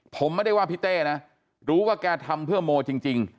ผมไม่ได้ว่าพี่เต้นะรู้ว่าแกทำเพื่อโมจริง